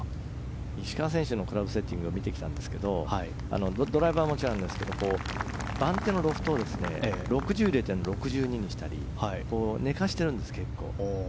石川選手のクラブセッティングはドライバーはもちろんですが番手のロフトを６２にしたり寝かしているんです結構。